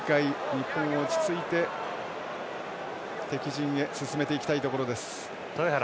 日本、落ち着いて敵陣へ進めていきたいところです。